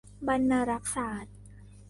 บรรณารักษศาสตร์